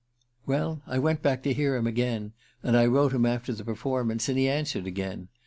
Well, I went back to hear him again, and I wrote him after the performance, and he answered again.